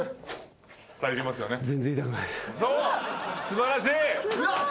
そう素晴らしい！